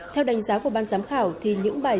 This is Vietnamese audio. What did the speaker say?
theo đánh giá của ban giám khảo thì những bài